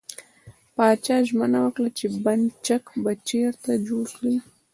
پاچا ژمنه وکړه، بند چک به بېرته جوړ کړي .